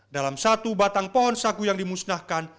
dalam satu batang pohon sagu yang dimusnahkan